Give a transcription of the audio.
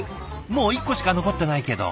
もう１個しか残ってないけど。